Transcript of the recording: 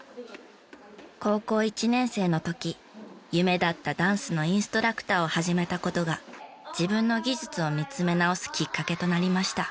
高校１年生の時夢だったダンスのインストラクターを始めた事が自分の技術を見つめ直すきっかけとなりました。